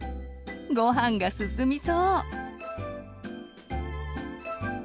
ごはんが進みそう！